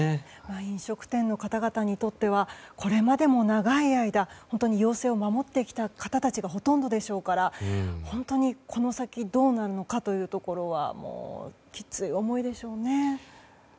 飲食店の方々にとってはこれまでも長い間本当に要請を守ってきた方たちがほとんどでしょうから本当に、この先どうなるのかというところはきつい思いでしょうね。